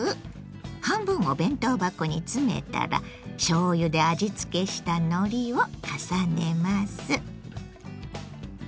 半分を弁当箱に詰めたらしょうゆで味付けしたのりを重ねます。